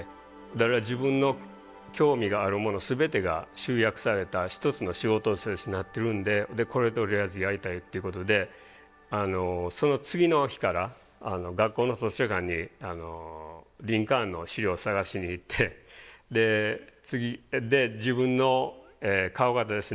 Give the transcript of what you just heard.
だから自分の興味があるもの全てが集約された一つの仕事としてなってるんでこれとりあえずやりたいっていうことでその次の日から学校の図書館にリンカーンの資料を探しに行ってで次自分の顔型ですね。